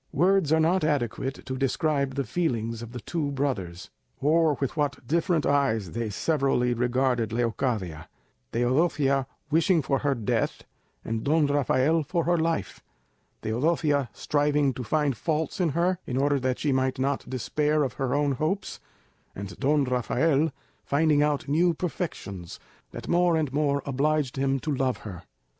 Words are not adequate to describe the feelings of the two brothers, or with what different eyes they severally regarded Leocadia; Teodosia wishing for her death, and Don Rafael for her life; Teodosia striving to find faults in her, in order that she might not despair of her own hopes; and Don Rafael finding out new perfections, that more and more obliged him to love her.